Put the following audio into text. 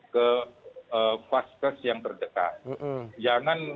ke paskes yang terdekat